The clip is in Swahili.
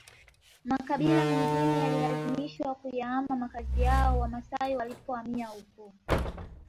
Makabila mengine yalilazimishwa kuyahama makazi yao Wamasai walipohamia huko